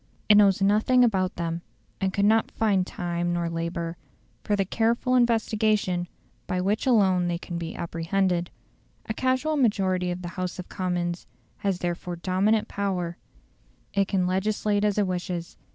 It knows nothing about them, and could not find time or labour for the careful investigation by which alone they can be apprehended. A casual majority of the House of Commons has therefore dominant power: it can legislate as it wishes.